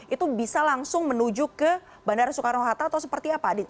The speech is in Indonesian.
itu bisa langsung menuju ke bandara soekarno hatta atau seperti apa